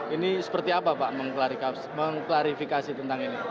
ini seperti apa pak mengklarifikasi tentang ini